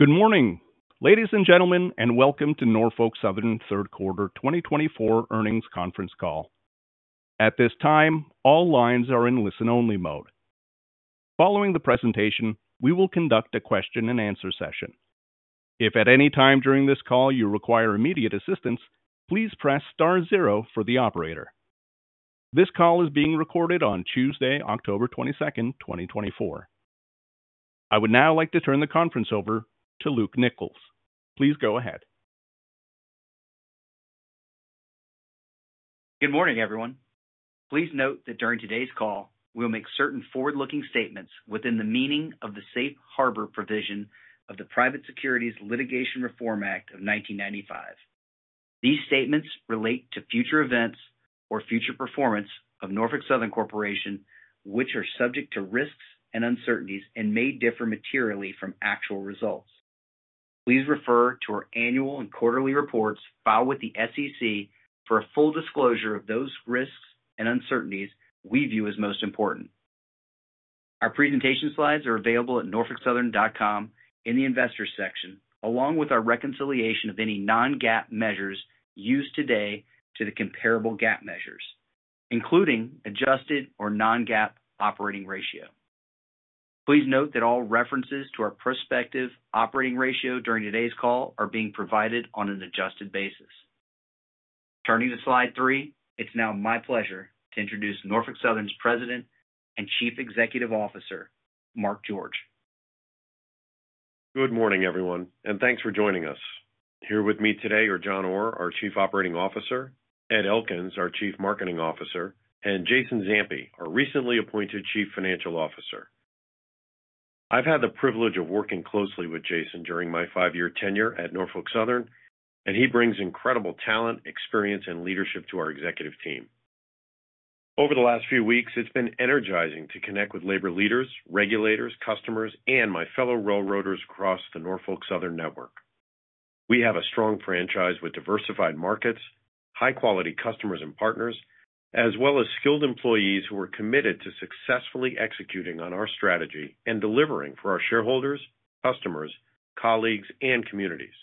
Good morning, ladies and gentlemen, and welcome to Norfolk Southern Third Quarter 2024 Earnings Conference Call. At this time, all lines are in listen-only mode. Following the presentation, we will conduct a question and answer session. If at any time during this call you require immediate assistance, please press star zero for the operator. This call is being recorded on Tuesday, October 22, 2024. I would now like to turn the conference over to Luke Nichols. Please go ahead. Good morning, everyone. Please note that during today's call, we'll make certain forward-looking statements within the meaning of the Safe Harbor provision of the Private Securities Litigation Reform Act of 1995. These statements relate to future events or future performance of Norfolk Southern Corporation, which are subject to risks and uncertainties and may differ materially from actual results. Please refer to our annual and quarterly reports filed with the SEC for a full disclosure of those risks and uncertainties we view as most important. Our presentation slides are available at norfolksouthern.com in the investors section, along with our reconciliation of any non-GAAP measures used today to the comparable GAAP measures, including adjusted or non-GAAP operating ratio. Please note that all references to our prospective operating ratio during today's call are being provided on an adjusted basis. Turning to Slide 3, it's now my pleasure to introduce Norfolk Southern's President and Chief Executive Officer, Mark George. Good morning, everyone, and thanks for joining us. Here with me today are John Orr, our Chief Operating Officer, Ed Elkins, our Chief Marketing Officer, and Jason Zampi, our recently appointed Chief Financial Officer. I've had the privilege of working closely with Jason during my five-year tenure at Norfolk Southern, and he brings incredible talent, experience, and leadership to our executive team. Over the last few weeks, it's been energizing to connect with labor leaders, regulators, customers, and my fellow railroaders across the Norfolk Southern network. We have a strong franchise with diversified markets, high-quality customers and partners, as well as skilled employees who are committed to successfully executing on our strategy and delivering for our shareholders, customers, colleagues, and communities.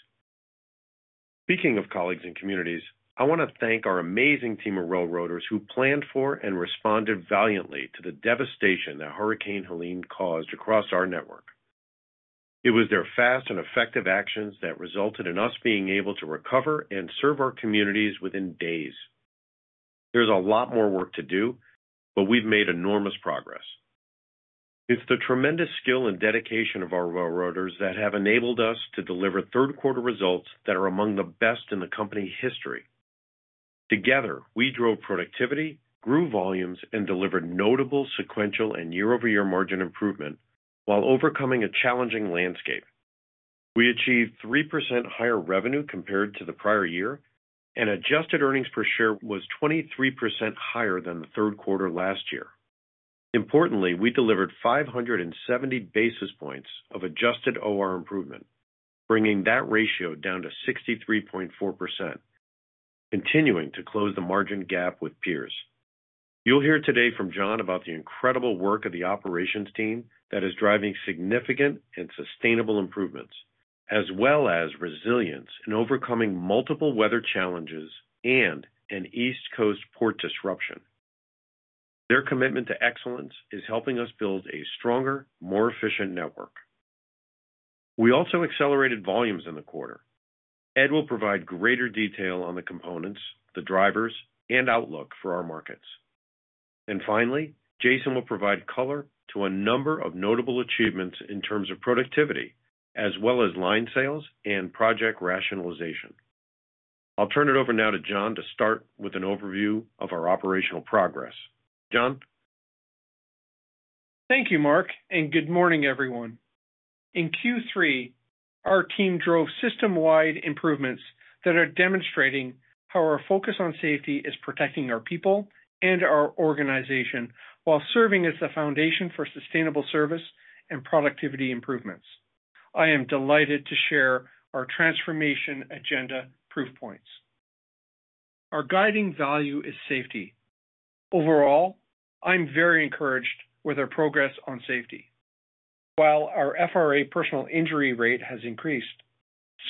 Speaking of colleagues and communities, I want to thank our amazing team of railroaders who planned for and responded valiantly to the devastation that Hurricane Helene caused across our network. It was their fast and effective actions that resulted in us being able to recover and serve our communities within days. There's a lot more work to do, but we've made enormous progress. It's the tremendous skill and dedication of our railroaders that have enabled us to deliver third-quarter results that are among the best in the company history. Together, we drove productivity, grew volumes, and delivered notable sequential and year over year margin improvement while overcoming a challenging landscape. We achieved 3% higher revenue compared to the prior year, and adjusted earnings per share was 23% higher than the third quarter last year. Importantly, we delivered 570 basis points of adjusted OR improvement, bringing that ratio down to 63.4%, continuing to close the margin gap with peers. You'll hear today from John about the incredible work of the operations team that is driving significant and sustainable improvements, as well as resilience in overcoming multiple weather challenges and an East Coast port disruption. Their commitment to excellence is helping us build a stronger, more efficient network. We also accelerated volumes in the quarter. Ed will provide greater detail on the components, the drivers, and outlook for our markets. And finally, Jason will provide color to a number of notable achievements in terms of productivity, as well as line sales and project rationalization. I'll turn it over now to John to start with an overview of our operational progress. John? Thank you, Mark, and good morning, everyone. In Q3, our team drove system-wide improvements that are demonstrating how our focus on safety is protecting our people and our organization while serving as the foundation for sustainable service and productivity improvements. I am delighted to share our transformation agenda proof points. Our guiding value is safety. Overall, I'm very encouraged with our progress on safety. While our FRA personal injury rate has increased,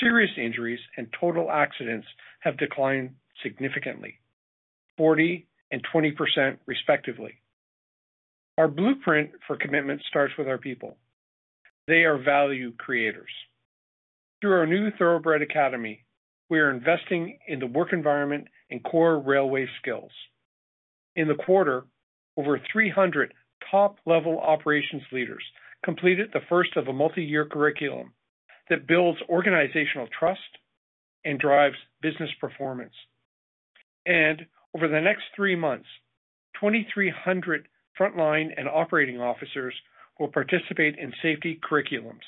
serious injuries and total accidents have declined significantly, 40% and 20%, respectively. Our blueprint for commitment starts with our people. They are value creators. Through our new Thoroughbred Academy, we are investing in the work environment and core railway skills. In the quarter, over 300 top-level operations leaders completed the first of a multi-year curriculum that builds organizational trust and drives business performance. Over the next three months, 2,300 frontline and operating officers will participate in safety curriculums.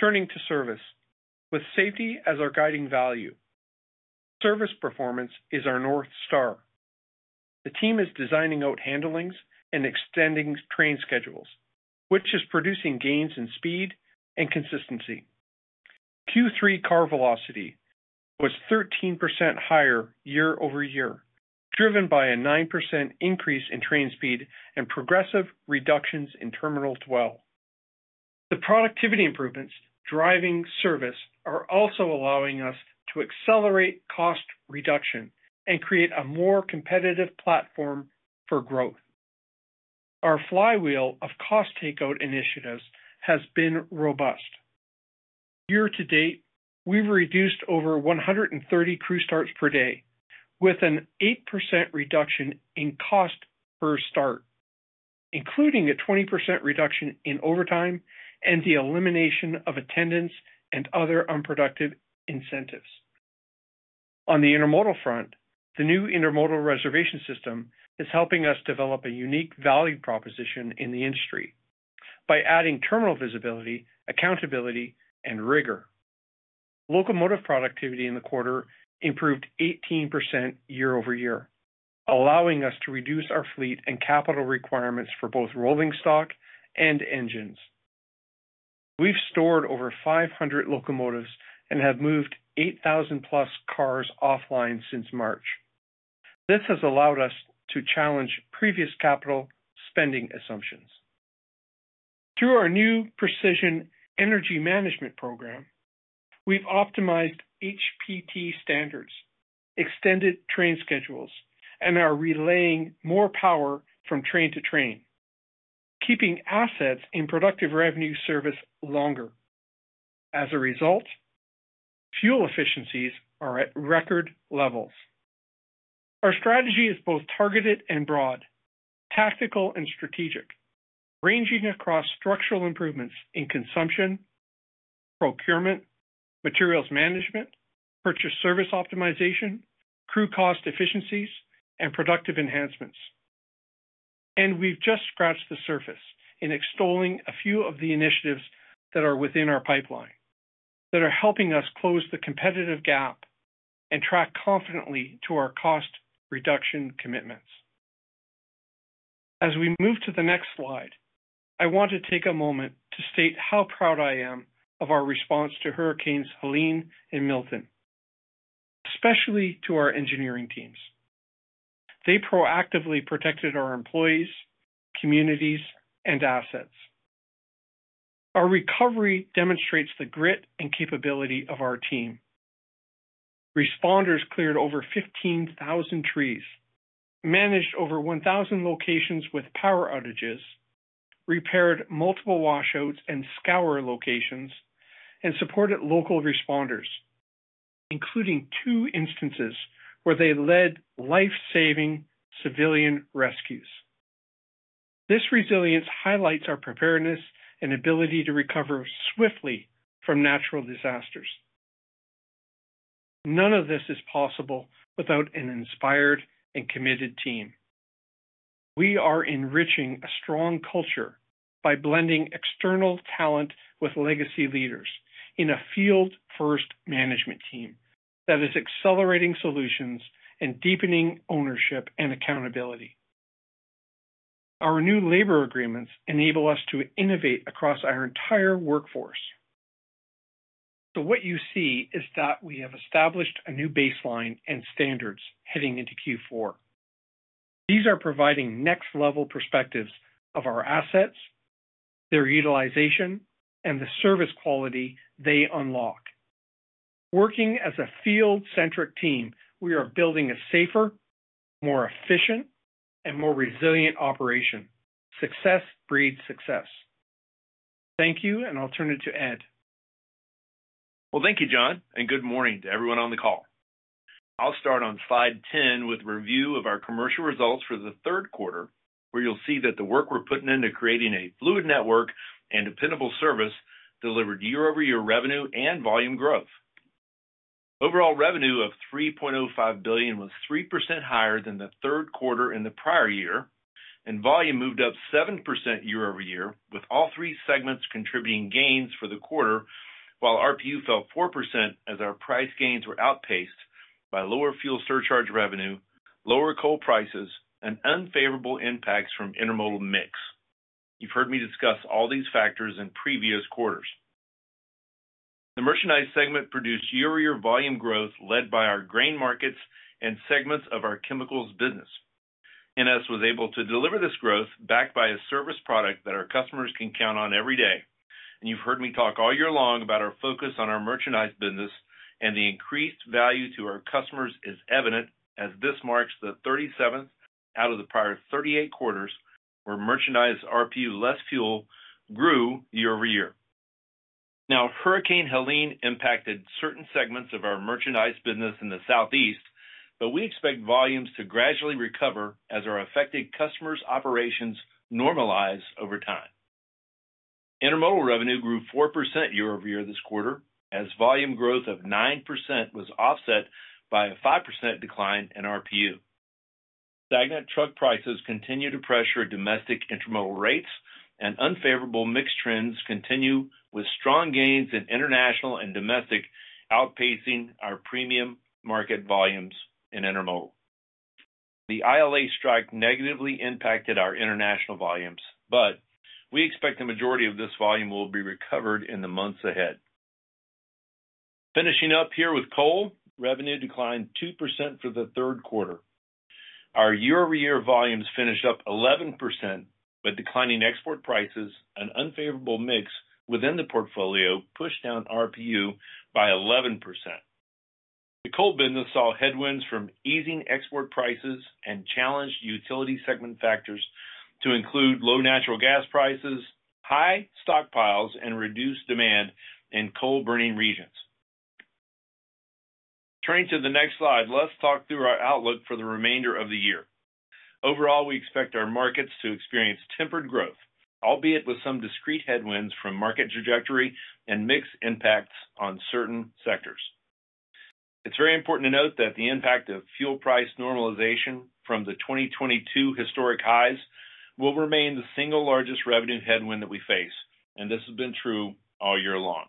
Turning to service. With safety as our guiding value, service performance is our North Star. The team is designing out handlings and extending train schedules, which is producing gains in speed and consistency. Q3 car velocity was 13% higher year over year, driven by a 9% increase in train speed and progressive reductions in terminal dwell. The productivity improvements driving service are also allowing us to accelerate cost reduction and create a more competitive platform for growth. Our flywheel of cost takeout initiatives has been robust. Year to date, we've reduced over 130 crew starts per day, with an 8% reduction in cost per start, including a 20% reduction in overtime and the elimination of attendance and other unproductive incentives. On the intermodal front, the new intermodal reservation system is helping us develop a unique value proposition in the industry by adding terminal visibility, accountability, and rigor. Locomotive productivity in the quarter improved 18% year over year, allowing us to reduce our fleet and capital requirements for both rolling stock and engines. We've stored over 500 locomotives and have moved 8,000 plus cars offline since March. This has allowed us to challenge previous capital spending assumptions. Through our new Precision Energy Management program, we've optimized HPT standards, extended train schedules, and are relaying more power from train to train, keeping assets in productive revenue service longer. As a result, fuel efficiencies are at record levels. Our strategy is both targeted and broad, tactical and strategic, ranging across structural improvements in consumption, procurement, materials management, purchased service optimization, crew cost efficiencies, and productive enhancements. We've just scratched the surface in extolling a few of the initiatives that are within our pipeline, that are helping us close the competitive gap and track confidently to our cost reduction commitments. As we move to the next slide, I want to take a moment to state how proud I am of our response to hurricanes Helene and Milton, especially to our engineering teams. They proactively protected our employees, communities, and assets. Our recovery demonstrates the grit and capability of our team. Responders cleared over 15,000 trees, managed over 1,000 locations with power outages, repaired multiple washouts and scour locations, and supported local responders, including two instances where they led life-saving civilian rescues. This resilience highlights our preparedness and ability to recover swiftly from natural disasters. None of this is possible without an inspired and committed team. We are enriching a strong culture by blending external talent with legacy leaders in a field-first management team that is accelerating solutions and deepening ownership and accountability. Our new labor agreements enable us to innovate across our entire workforce. So what you see is that we have established a new baseline and standards heading into Q4. These are providing next-level perspectives of our assets, their utilization, and the service quality they unlock. Working as a field-centric team, we are building a safer, more efficient, and more resilient operation. Success breeds success. Thank you, and I'll turn it to Ed. Thank you, John, and good morning to everyone on the call. I'll start on Slide 10 with a review of our commercial results for the third quarter, where you'll see that the work we're putting into creating a fluid network and dependable service delivered year over year revenue and volume growth. Overall revenue of $3.05 billion was 3% higher than the third quarter in the prior year, and volume moved up 7% year over year, with all three segments contributing gains for the quarter, while RPU fell 4% as our price gains were outpaced by lower fuel surcharge revenue, lower coal prices, and unfavorable impacts from intermodal mix. You've heard me discuss all these factors in previous quarters. The merchandise segment produced year over year volume growth, led by our grain markets and segments of our chemicals business. NS was able to deliver this growth, backed by a service product that our customers can count on every day. And you've heard me talk all year long about our focus on our merchandise business and the increased value to our customers is evident, as this marks the 37th out of the prior 38 quarters, where merchandise RPU less fuel grew year over year. Now, Hurricane Helene impacted certain segments of our merchandise business in the Southeast, but we expect volumes to gradually recover as our affected customers' operations normalize over time. Intermodal revenue grew 4% year over year this quarter, as volume growth of 9% was offset by a 5% decline in RPU. Stagnant truck prices continue to pressure domestic intermodal rates, and unfavorable mix trends continue, with strong gains in international and domestic outpacing our premium market volumes in intermodal. The ILA strike negatively impacted our international volumes, but we expect the majority of this volume will be recovered in the months ahead. Finishing up here with coal, revenue declined 2% for the third quarter. Our year over year volumes finished up 11%, but declining export prices and unfavorable mix within the portfolio pushed down RPU by 11%. The coal business saw headwinds from easing export prices and challenged utility segment factors to include low natural gas prices, high stockpiles, and reduced demand in coal burning regions. Turning to the next slide, let's talk through our outlook for the remainder of the year. Overall, we expect our markets to experience tempered growth, albeit with some discrete headwinds from market trajectory and mixed impacts on certain sectors. It's very important to note that the impact of fuel price normalization from the 2022 historic highs will remain the single largest revenue headwind that we face, and this has been true all year long.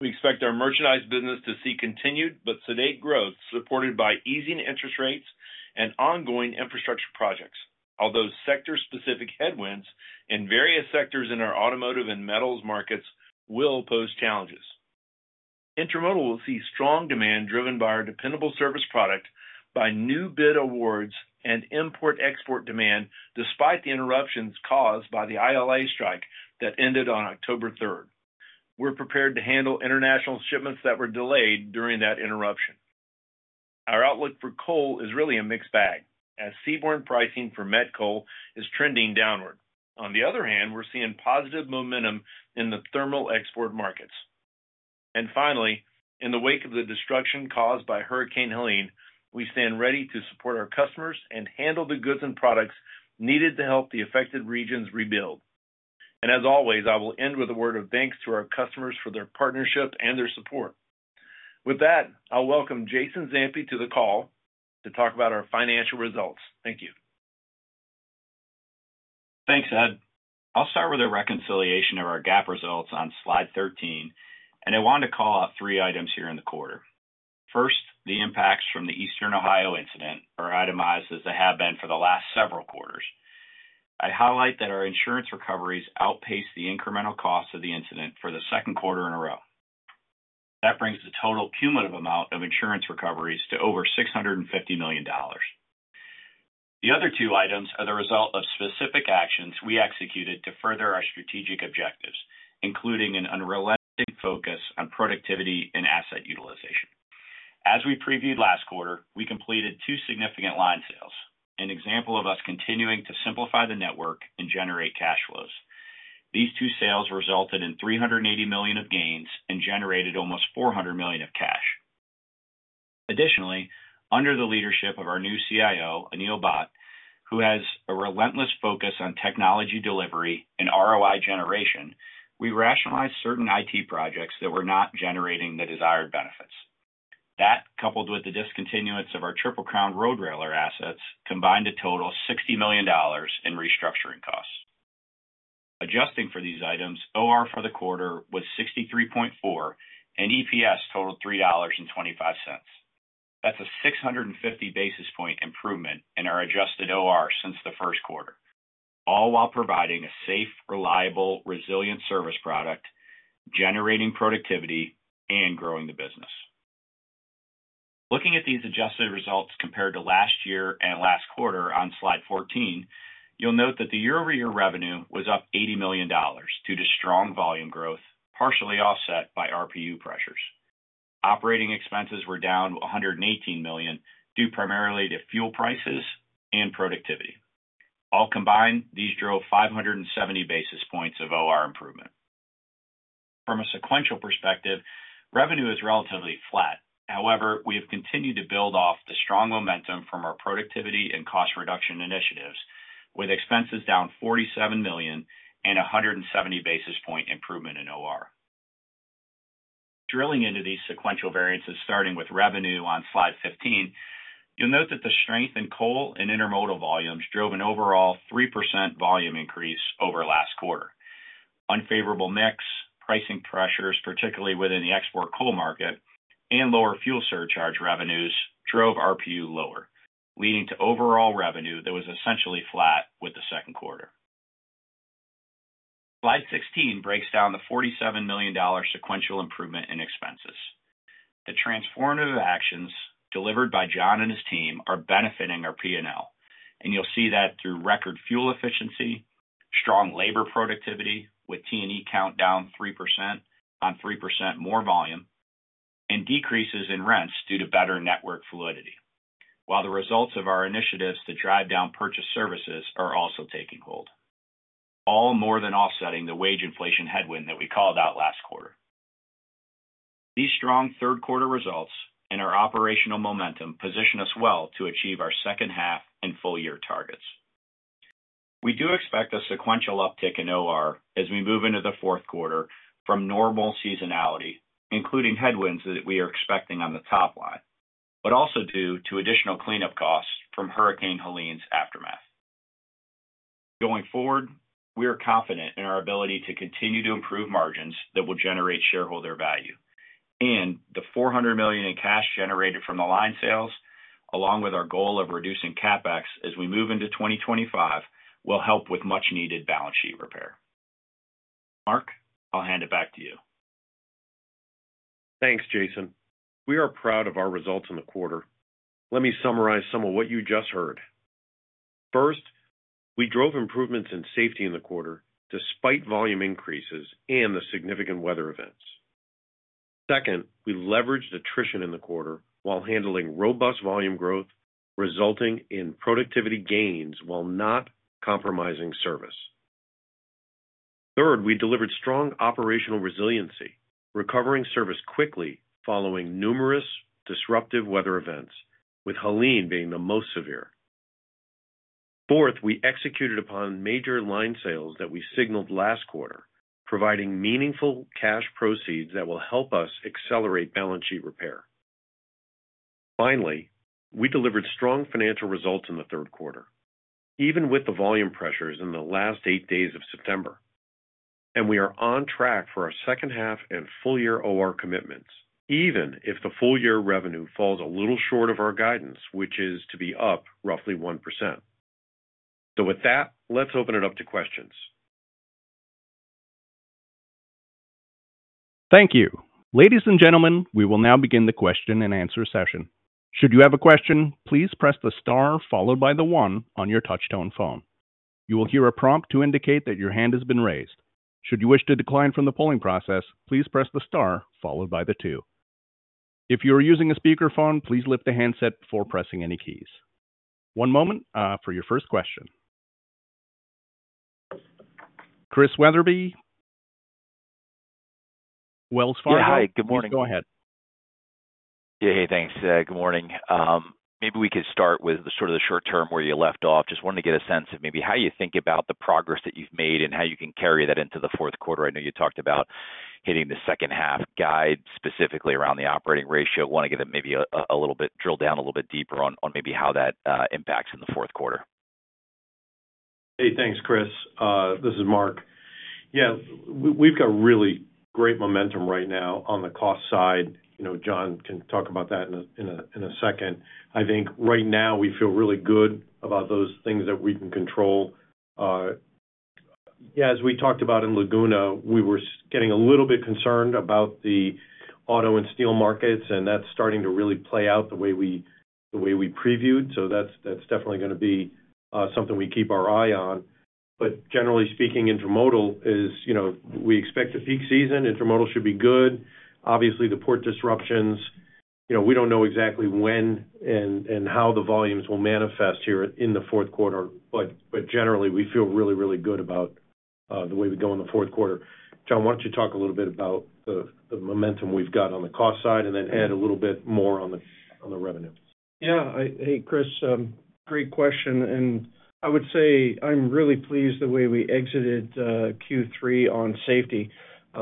We expect our merchandise business to see continued but sedate growth, supported by easing interest rates and ongoing infrastructure projects, although sector-specific headwinds in various sectors in our automotive and metals markets will pose challenges. Intermodal will see strong demand driven by our dependable service product, by new bid awards, and import-export demand, despite the interruptions caused by the ILA strike that ended on October 3rd. We're prepared to handle international shipments that were delayed during that interruption. Our outlook for coal is really a mixed bag, as seaborne pricing for met coal is trending downward. On the other hand, we're seeing positive momentum in the thermal export markets. Finally, in the wake of the destruction caused by Hurricane Helene, we stand ready to support our customers and handle the goods and products needed to help the affected regions rebuild. As always, I will end with a word of thanks to our customers for their partnership and their support. With that, I'll welcome Jason Zampi to the call to talk about our financial results. Thank you. Thanks, Ed. I'll start with a reconciliation of our GAAP results on Slide 13, and I wanted to call out three items here in the quarter. First, the impacts from the Eastern Ohio incident are itemized as they have been for the last several quarters. I highlight that our insurance recoveries outpaced the incremental costs of the incident for the second quarter in a row. That brings the total cumulative amount of insurance recoveries to over $650 million. The other two items are the result of specific actions we executed to further our strategic objectives, including an unrelenting focus on productivity and asset utilization. As we previewed last quarter, we completed two significant line sales, an example of us continuing to simplify the network and generate cash flows. These two sales resulted in $380 million of gains and generated almost $400 million of cash. Additionally, under the leadership of our new CIO, Anil Bhatt, who has a relentless focus on technology delivery and ROI generation, we rationalized certain IT projects that were not generating the desired benefits. That, coupled with the discontinuance of our Triple Crown RoadRailer assets, combined to total $60 million in restructuring costs. Adjusting for these items, OR for the quarter was 63.4%, and EPS totaled $3.25. That's a 650 basis point improvement in our adjusted OR since the first quarter, all while providing a safe, reliable, resilient service product, generating productivity, and growing the business. Looking at these adjusted results compared to last year and last quarter on Slide 14, you'll note that the year over year revenue was up $80 million due to strong volume growth, partially offset by RPU pressures. Operating expenses were down $118 million, due primarily to fuel prices and productivity. All combined, these drove 570 basis points of OR improvement. From a sequential perspective, revenue is relatively flat. However, we have continued to build off the strong momentum from our productivity and cost reduction initiatives, with expenses down $47 million and a 170 basis point improvement in OR. Drilling into these sequential variances, starting with revenue on Slide 15, you'll note that the strength in coal and intermodal volumes drove an overall 3% volume increase over last quarter. Unfavorable mix, pricing pressures, particularly within the export coal market, and lower fuel surcharge revenues drove RPU lower, leading to overall revenue that was essentially flat with the second quarter. Slide 16 breaks down the $47 million sequential improvement in expenses. The transformative actions delivered by John and his team are benefiting our P&L, and you'll see that through record fuel efficiency, strong labor productivity with T&E count down 3% on 3% more volume, and decreases in rents due to better network fluidity. While the results of our initiatives to drive down purchased services are also taking hold, all more than offsetting the wage inflation headwind that we called out last quarter. These strong third quarter results and our operational momentum position us well to achieve our second half and full year targets. We do expect a sequential uptick in OR as we move into the fourth quarter from normal seasonality, including headwinds that we are expecting on the top line, but also due to additional cleanup costs from Hurricane Helene's aftermath. Going forward, we are confident in our ability to continue to improve margins that will generate shareholder value, and the $400 million in cash generated from the line sales, along with our goal of reducing CapEx as we move into 2025, will help with much needed balance sheet repair. Mark, I'll hand it back to you. Thanks, Jason. We are proud of our results in the quarter. Let me summarize some of what you just heard. First, we drove improvements in safety in the quarter despite volume increases and the significant weather events. Second, we leveraged attrition in the quarter while handling robust volume growth, resulting in productivity gains while not compromising service. Third, we delivered strong operational resiliency, recovering service quickly following numerous disruptive weather events, with Helene being the most severe. Fourth, we executed upon major line sales that we signaled last quarter, providing meaningful cash proceeds that will help us accelerate balance sheet repair. Finally, we delivered strong financial results in the third quarter, even with the volume pressures in the last eight days of September. And we are on track for our second half and full year OR commitments, even if the full year revenue falls a little short of our guidance, which is to be up roughly 1%. So with that, let's open it up to questions. Thank you. Ladies and gentlemen, we will now begin the question and answer session. Should you have a question, please press the star followed by the one on your touchtone phone. You will hear a prompt to indicate that your hand has been raised. Should you wish to decline from the polling process, please press the star followed by the two. If you are using a speakerphone, please lift the handset before pressing any keys. One moment for your first question. Chris Wetherbee, Wells Fargo. Yeah. Hi, good morning. Go ahead. Yeah. Hey, thanks. Good morning. Maybe we could start with the short term where you left off. Just wanted to get a sense of maybe how you think about the progress that you've made and how you can carry that into the fourth quarter. I know you talked about hitting the second half guide, specifically around the operating ratio. Want to get maybe drill down a little bit deeper on maybe how that impacts in the fourth quarter. Hey, thanks, Chris. This is Mark. Yeah, we've got really great momentum right now on the cost side. You know, John can talk about that in a second. I think right now we feel really good about those things that we can control. Yeah, as we talked about in Laguna, we were getting a little bit concerned about the auto and steel markets, and that's starting to really play out the way we previewed. So that's definitely going to be something we keep our eye on. But generally speaking, intermodal is, you know, we expect a peak season. Intermodal should be good. Obviously, the port disruptions, you know, we don't know exactly when and how the volumes will manifest here in the fourth quarter, but generally, we feel really, really good about the way we go in the fourth quarter. John, why don't you talk a little bit about the momentum we've got on the cost side and then add a little bit more on the revenue? Yeah. Hey, Chris, great question, and I would say I'm really pleased the way we exited Q3 on safety.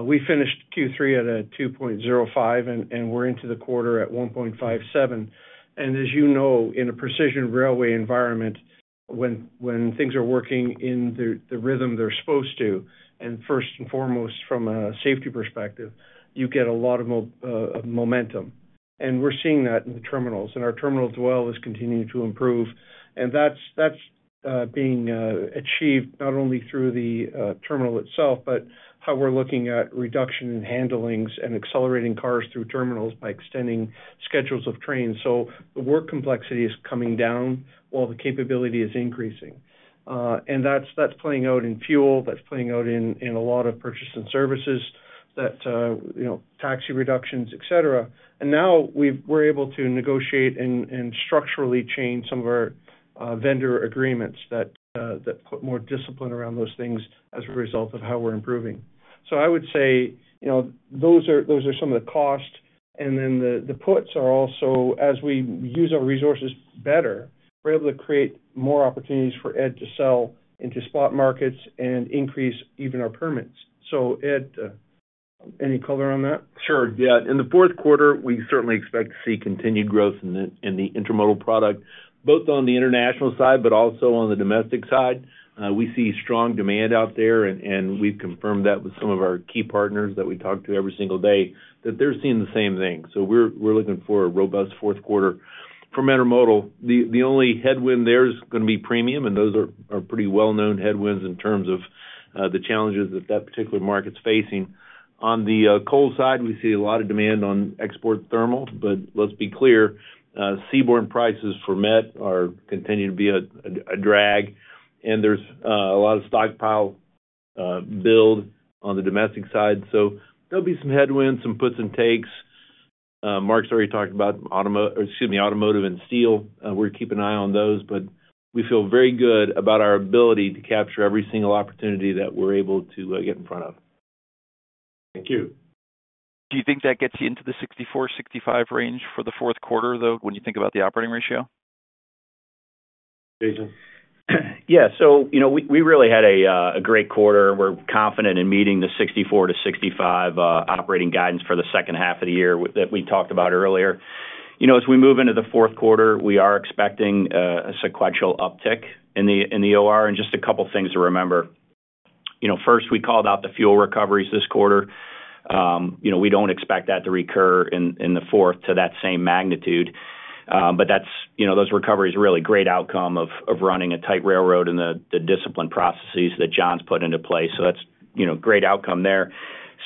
We finished Q3 at 2.05, and we're into the quarter at 1.57. As you know, in a precision railway environment, when things are working in the rhythm they're supposed to, and first and foremost, from a safety perspective, you get a lot of momentum. We're seeing that in the terminals, and our terminal dwell is continuing to improve. That's being achieved not only through the terminal itself, but how we're looking at reduction in handlings and accelerating cars through terminals by extending schedules of trains. So the work complexity is coming down while the capability is increasing. And that's playing out in fuel. That's playing out in a lot of purchases and services that you know, tax reductions, et cetera. And now we're able to negotiate and structurally change some of our vendor agreements that put more discipline around those things as a result of how we're improving. So I would say, you know, those are some of the costs. And then the ups are also, as we use our resources better, we're able to create more opportunities for Ed to sell into spot markets and increase even our RPU. So Ed, any color on that? Sure. Yeah. In the fourth quarter, we certainly expect to see continued growth in the intermodal product, both on the international side, but also on the domestic side. We see strong demand out there, and we've confirmed that with some of our key partners that we talk to every single day, that they're seeing the same thing. So we're looking for a robust fourth quarter. For intermodal, the only headwind there is going to be premium, and those are pretty well-known headwinds in terms of the challenges that that particular market's facing. On the coal side, we see a lot of demand on export thermal, but let's be clear, seaborne prices for met are continuing to be a drag, and there's a lot of stockpile build on the domestic side. So there'll be some headwinds, some puts and takes. Mark's already talked about automo, or excuse me, automotive and steel. We're keeping an eye on those, but we feel very good about our ability to capture every single opportunity that we're able to, get in front of. Thank you. Do you think that gets you into the 64-65 range for the fourth quarter, though, when you think about the operating ratio? Jason? Yeah. So you know, we really had a great quarter. We're confident in meeting the 64-65 operating guidance for the second half of the year that we talked about earlier. You know, as we move into the fourth quarter, we are expecting a sequential uptick in the OR. And just a couple of things to remember. You know, first, we called out the fuel recoveries this quarter. You know, we don't expect that to recur in the fourth to that same magnitude, but that's, you know, those recoveries are really great outcome of running a tight railroad and the discipline processes that John's put into place. So that's, you know, great outcome there.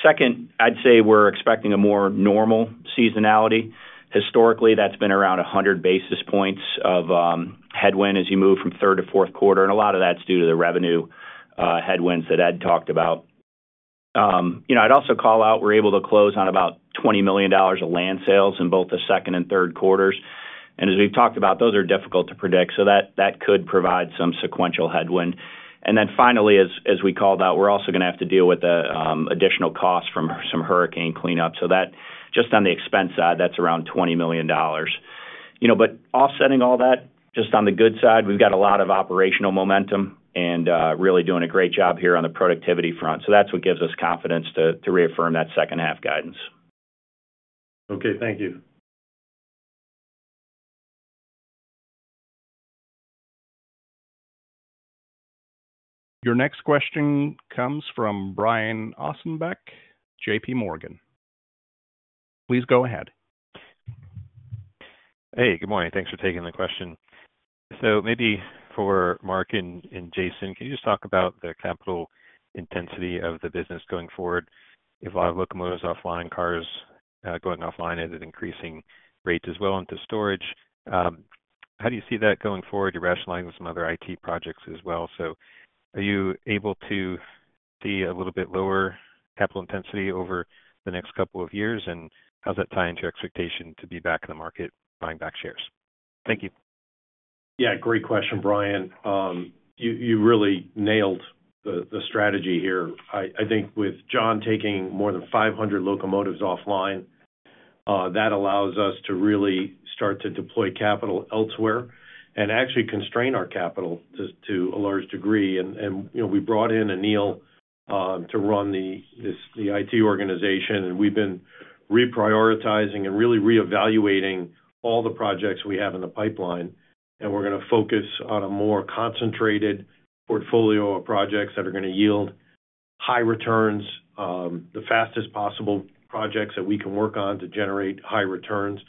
Second, I'd say we're expecting a more normal seasonality. Historically, that's been around a hundred basis points of headwind as you move from third to fourth quarter, and a lot of that's due to the revenue headwinds that Ed talked about. You know, I'd also call out, we're able to close on about $20 million of land sales in both the second and third quarters. And as we've talked about, those are difficult to predict, so that could provide some sequential headwind. And then finally, as we called out, we're also going to have to deal with the additional costs from some hurricane cleanup. So that just on the expense side, that's around $20 million. You know, but offsetting all that, just on the good side, we've got a lot of operational momentum and really doing a great job here on the productivity front. So that's what gives us confidence to reaffirm that second half guidance. Okay, thank you. Your next question comes from Brian Ossenbeck, JPMorgan. Please go ahead. Hey, good morning. Thanks for taking the question. So maybe for Mark and, and Jason, can you just talk about the capital intensity of the business going forward? You have a lot of locomotives offline, cars, going offline at an increasing rate as well into storage. How do you see that going forward, you're rationalizing with some other IT projects as well. So are you able to see a little bit lower capital intensity over the next couple of years? And how does that tie into your expectation to be back in the market buying back shares? Thank you. Yeah, great question, Brian. You really nailed the strategy here. I think with John taking more than five hundred locomotives offline, that allows us to really start to deploy capital elsewhere and actually constrain our capital to a large degree. And you know, we brought in Anil to run the IT organization, and we've been reprioritizing and really reevaluating all the projects we have in the pipeline, and we're gonna focus on a more concentrated portfolio of projects that are gonna yield high returns, the fastest possible projects that we can work on to generate high returns.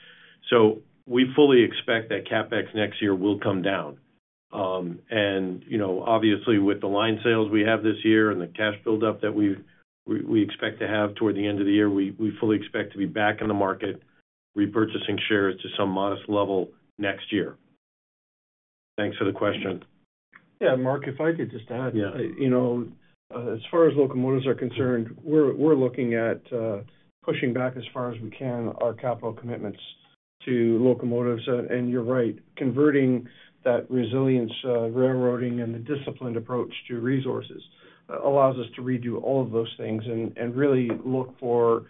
So we fully expect that CapEx next year will come down. You know, obviously, with the line sales we have this year and the cash build-up that we expect to have toward the end of the year, we fully expect to be back in the market, repurchasing shares to some modest level next year. Thanks for the question. Yeah, Mark, if I could just add. Yeah. You know, as far as locomotives are concerned, we're looking at pushing back as far as we can our capital commitments to locomotives, and you're right, converting that resilient railroading and the disciplined approach to resources allows us to redo all of those things and really look for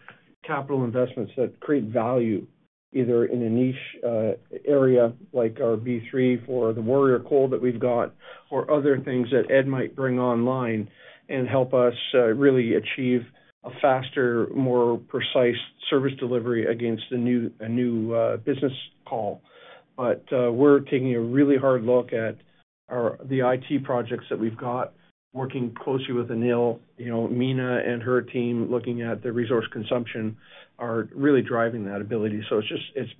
capital investments that create value, either in a niche area like our P3 or the Warrior Coal that we've got, or other things that Ed might bring online and help us really achieve a faster, more precise service delivery against a new business call, but we're taking a really hard look at our IT projects that we've got, working closely with Anil, you know, Mina and her team, looking at the resource consumption, are really driving that ability. So it's just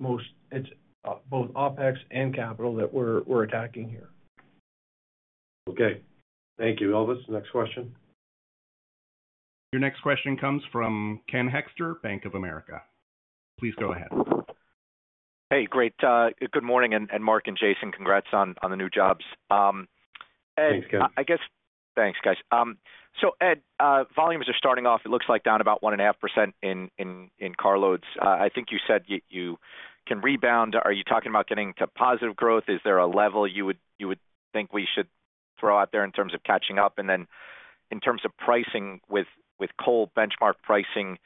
both OpEx and CapEx that we're attacking here. Okay. Thank you. Elvis, next question. Your next question comes from Ken Hoexter, Bank of America. Please go ahead. Hey, great. Good morning, and Mark and Jason, congrats on the new jobs. Thanks, Ken. Ed, I guess, thanks, guys. So Ed, volumes are starting off, it looks like, down about 1.5% in carloads. I think you said you can rebound. Are you talking about getting to positive growth? Is there a level you would think we should throw out there in terms of catching up? And then in terms of pricing, with coal benchmark pricing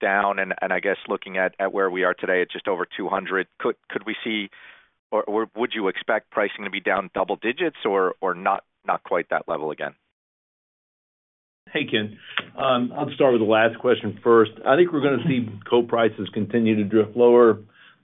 down and I guess looking at where we are today, it's just over 200, could we see or would you expect pricing to be down double digits or not quite that level again? Hey, Ken. I'll start with the last question first. I think we're gonna see coal prices continue to drift lower.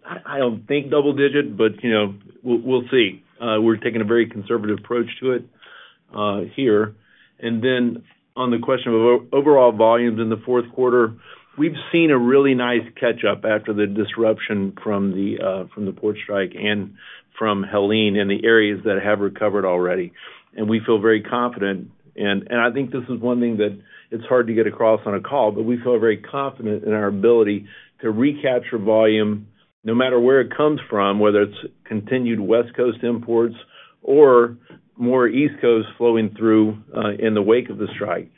I don't think double digit, but, you know, we'll see. We're taking a very conservative approach to it here. And then on the question of overall volumes in the fourth quarter, we've seen a really nice catch up after the disruption from the port strike and from Helene in the areas that have recovered already. And we feel very confident, and I think this is one thing that it's hard to get across on a call, but we feel very confident in our ability to recapture volume, no matter where it comes from, whether it's continued West Coast imports or more East Coast flowing through in the wake of the strike.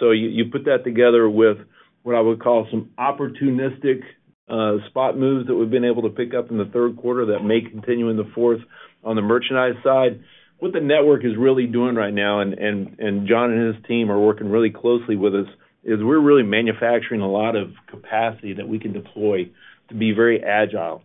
So you put that together with what I would call some opportunistic spot moves that we've been able to pick up in the third quarter that may continue in the fourth on the merchandise side. What the network is really doing right now, and John and his team are working really closely with us, is we're really manufacturing a lot of capacity that we can deploy to be very agile.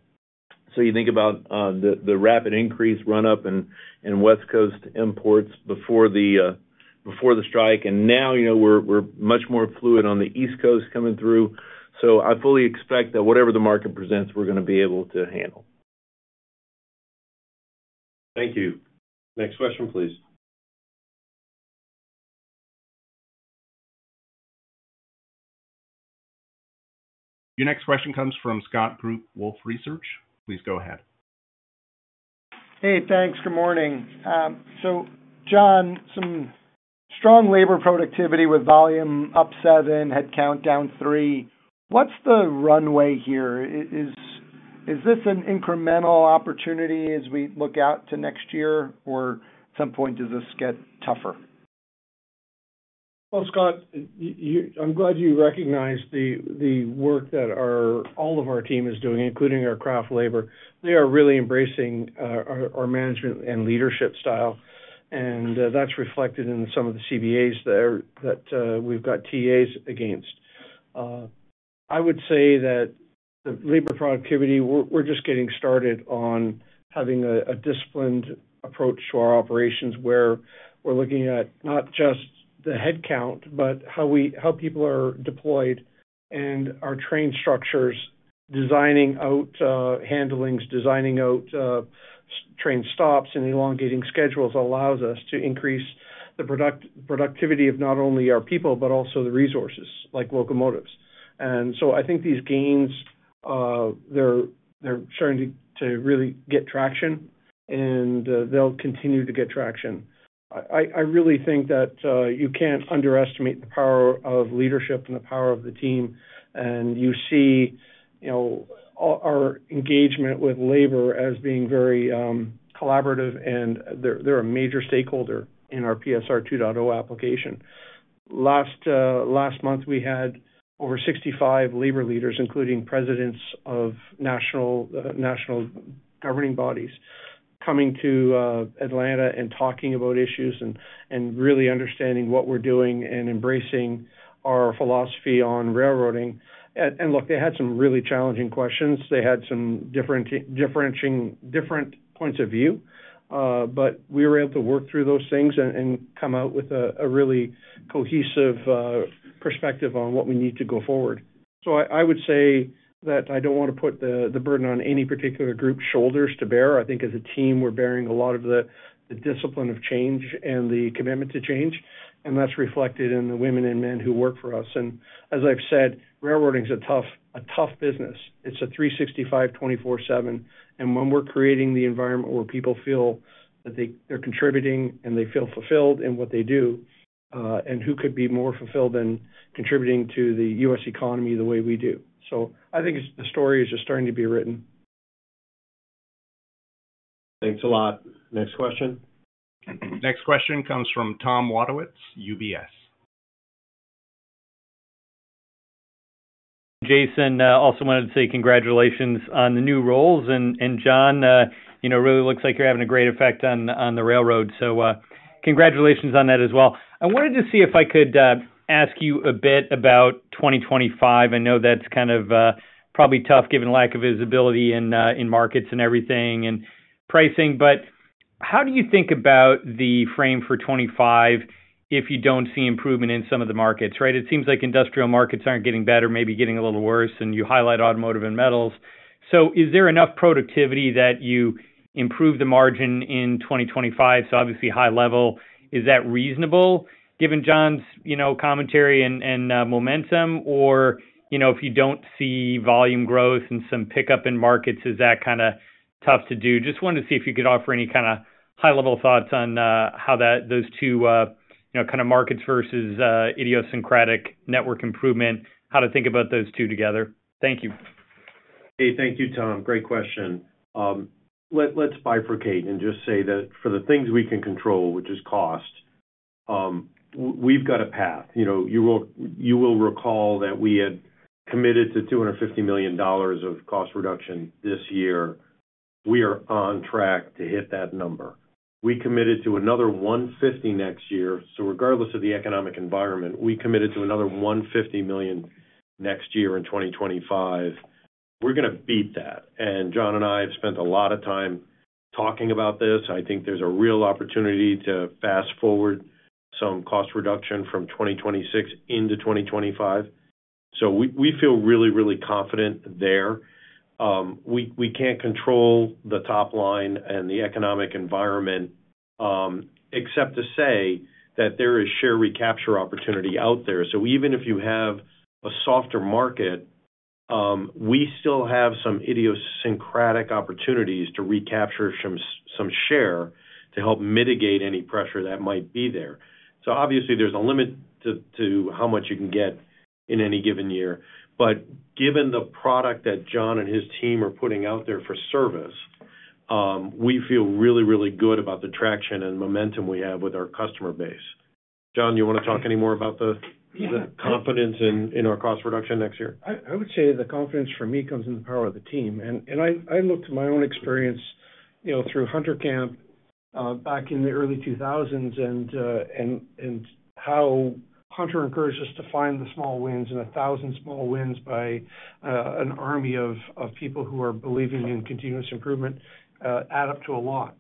So you think about the rapid increase run up in West Coast imports before the before the strike, and now, you know, we're much more fluid on the East Coast coming through. So I fully expect that whatever the market presents, we're gonna be able to handle. Thank you. Next question, please. Your next question comes from Scott Group, Wolfe Research. Please go ahead. Hey, thanks. Good morning. So John, some strong labor productivity with volume up seven, headcount down three. What's the runway here? Is this an incremental opportunity as we look out to next year, or at some point, does this get tougher? Scott, I'm glad you recognize the work that all of our team is doing, including our craft labor. They are really embracing our management and leadership style, and that's reflected in some of the CBAs there that we've got TAs against. I would say that the labor productivity, we're just getting started on having a disciplined approach to our operations, where we're looking at not just the headcount, but how people are deployed and our train structures, designing out handlings, designing out train stops, and elongating schedules allows us to increase the productivity of not only our people, but also the resources, like locomotives. And so I think these gains, they're starting to really get traction, and they'll continue to get traction. I really think that you can't underestimate the power of leadership and the power of the team. You see, you know, our engagement with labor as being very collaborative, and they're a major stakeholder in our PSR 2.0 application. Last month, we had over 65 labor leaders, including presidents of national governing bodies, coming to Atlanta and talking about issues and really understanding what we're doing and embracing our philosophy on railroading. And look, they had some really challenging questions. They had some different points of view, but we were able to work through those things and come out with a really cohesive perspective on what we need to go forward. So I would say that I don't wanna put the burden on any particular group's shoulders to bear. I think as a team, we're bearing a lot of the discipline of change and the commitment to change, and that's reflected in the women and men who work for us. And as I've said, railroading is a tough business. It's a 365, 24/7, and when we're creating the environment where people feel that they're contributing and they feel fulfilled in what they do, and who could be more fulfilled than contributing to the U.S. economy the way we do? So I think the story is just starting to be written. Thanks a lot. Next question. Next question comes from Tom Wadewitz, UBS. Jason, also wanted to say congratulations on the new roles, and John, you know, really looks like you're having a great effect on the railroad, so congratulations on that as well. I wanted to see if I could ask you a bit about 2025. I know that's kind of probably tough, given the lack of visibility in markets and everything, and pricing, but how do you think about the frame for '25 if you don't see improvement in some of the markets, right? It seems like industrial markets aren't getting better, maybe getting a little worse, and you highlight automotive and metals. So is there enough productivity that you improve the margin in 2025? So obviously, high level, is that reasonable, given John's, you know, commentary and momentum, or, you know, if you don't see volume growth and some pickup in markets, is that kinda tough to do? Just wanted to see if you could offer any kinda high-level thoughts on how that, those two, you know, kind of markets versus idiosyncratic network improvement, how to think about those two together. Thank you. Hey, thank you, Tom. Great question. Let's bifurcate and just say that for the things we can control, which is cost, we've got a path. You know, you will recall that we had committed to $250 million of cost reduction this year. We are on track to hit that number. We committed to another $150 million next year, so regardless of the economic environment, we committed to another $150 million next year in 2025. We're gonna beat that, and John and I have spent a lot of time talking about this. I think there's a real opportunity to fast forward some cost reduction from 2026 into 2025. So we feel really, really confident there. We can't control the top line and the economic environment, except to say that there is share recapture opportunity out there. So even if you have a softer market, we still have some idiosyncratic opportunities to recapture some share, to help mitigate any pressure that might be there. So obviously, there's a limit to how much you can get in any given year. But given the product that John and his team are putting out there for service, we feel really, really good about the traction and momentum we have with our customer base. John, you wanna talk any more about the confidence in our cost reduction next year? I would say the confidence for me comes in the power of the team, and I look to my own experience, you know, through Hunter's camp, back in the early 2000s, and how Hunter encouraged us to find the small wins and a thousand small wins by an army of people who are believing in continuous improvement add up to a lot.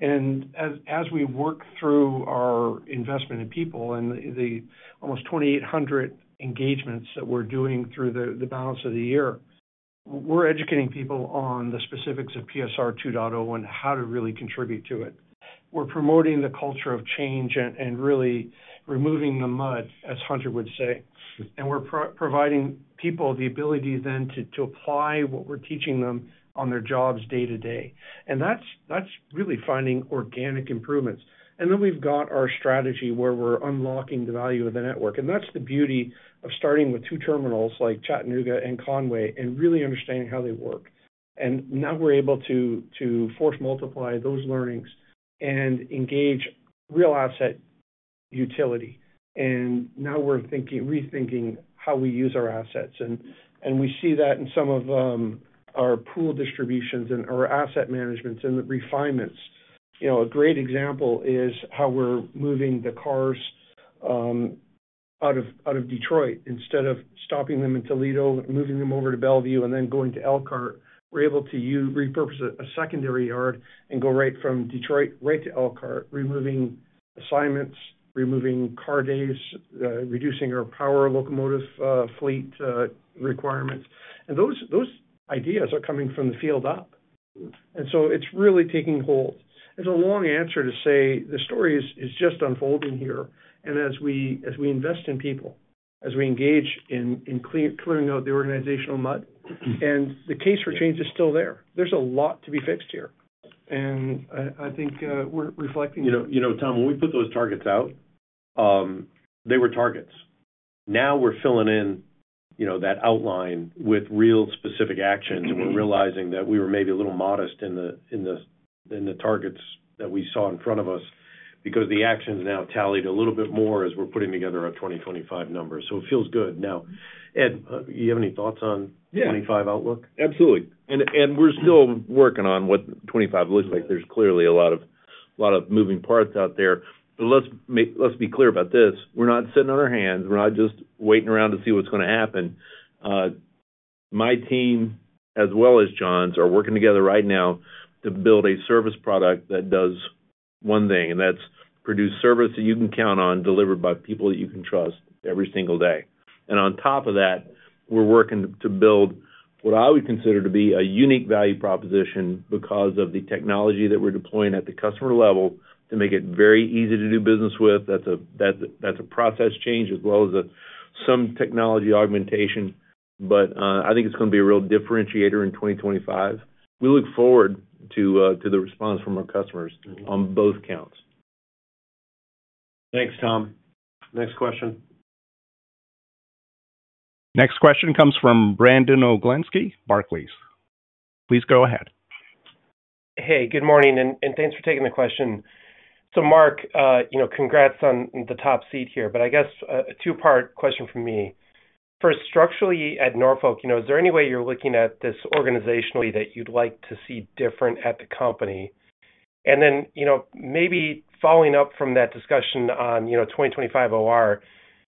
As we work through our investment in people and the almost 2,800 engagements that we're doing through the balance of the year, we're educating people on the specifics of PSR 2.0, and how to really contribute to it. We're promoting the culture of change and really removing the mud, as Hunter would say, and we're providing people the ability then to apply what we're teaching them on their jobs day-to-day. And that's really finding organic improvements. And then we've got our strategy, where we're unlocking the value of the network. And that's the beauty of starting with two terminals, like Chattanooga and Conway, and really understanding how they work. And now we're able to force multiply those learnings and engage real asset utility. And now we're rethinking how we use our assets. And we see that in some of our pool distributions and our asset managements and the refinements. You know, a great example is how we're moving the cars out of Detroit, instead of stopping them in Toledo, moving them over to Bellevue, and then going to Elkhart. We're able to repurpose a secondary yard and go right from Detroit right to Elkhart, removing assignments, removing car days, reducing our power locomotive fleet requirements. And those ideas are coming from the field up. And so it's really taking hold. It's a long answer to say the story is just unfolding here. And as we invest in people, as we engage in clearing out the organizational mud, and the case for change is still there. There's a lot to be fixed here. And I think we're reflecting- You know, Tom, when we put those targets out, they were targets. Now we're filling in, you know, that outline with real specific actions, and we're realizing that we were maybe a little modest in the targets that we saw in front of us, because the actions now tallied a little bit more as we're putting together our 2025 numbers. So it feels good. Now, Ed, you have any thoughts on— Yeah. '25 outlook? Absolutely. We're still working on what 2025 looks like. There's clearly a lot of moving parts out there. But let's be clear about this: We're not sitting on our hands. We're not just waiting around to see what's gonna happen. My team, as well as John's, are working together right now to build a service product that does one thing, and that's produce service that you can count on, delivered by people that you can trust every single day. And on top of that, we're working to build what I would consider to be a unique value proposition because of the technology that we're deploying at the customer level to make it very easy to do business with. That's a process change as well as some technology augmentation, but I think it's gonna be a real differentiator in 2025. We look forward to the response from our customers on both counts. Thanks, Tom. Next question. Next question comes from Brandon Oglenski, Barclays. Please go ahead. Hey, good morning, and thanks for taking the question. So, Mark, you know, congrats on the top seat here, but I guess a two-part question from me. First, structurally at Norfolk, you know, is there any way you're looking at this organizationally that you'd like to see different at the company? And then, you know, maybe following up from that discussion on, you know, 2025 OR,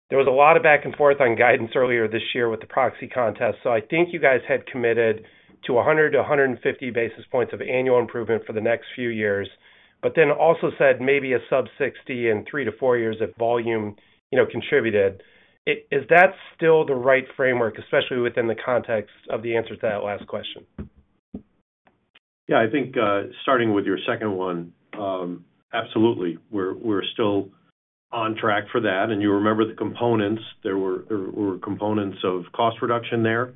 there was a lot of back and forth on guidance earlier this year with the proxy contest. So I think you guys had committed to a 100 to 150 basis points of annual improvement for the next few years, but then also said maybe a sub-60 in 3 to 4 years if volume, you know, contributed. Is that`` still the right framework, especially within the context of the answer to that last question? Yeah, I think, starting with your second one, absolutely. We're still on track for that, and you remember the components. There were components of cost reduction there,